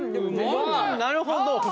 なるほど。